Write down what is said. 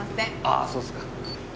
ああそうすか。